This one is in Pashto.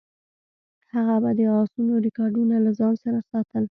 هغه به د اسونو ریکارډونه له ځان سره ساتل.